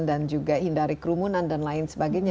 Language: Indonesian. dan juga hindari kerumunan dan lain sebagainya